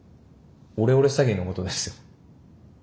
オレオレ詐欺のことですよ。